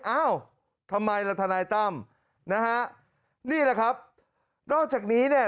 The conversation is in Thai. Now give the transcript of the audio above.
เอ้าทำไมล่ะทนายตั้มนะฮะนี่แหละครับนอกจากนี้เนี่ย